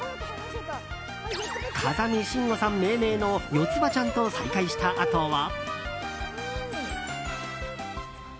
風見しんごさん命名のヨツバちゃんと再会したあとは。